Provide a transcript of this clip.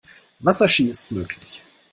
Wasserski ist möglich.